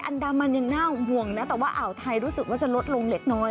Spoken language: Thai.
อันดามันยังน่าห่วงนะแต่ว่าอ่าวไทยรู้สึกว่าจะลดลงเล็กน้อย